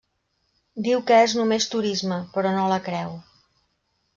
Diu que és només turisme, però no la creu.